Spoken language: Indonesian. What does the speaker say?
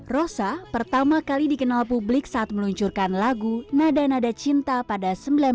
rosa pertama kali dikenal publik saat meluncurkan lagu nada nada cinta pada seribu sembilan ratus sembilan puluh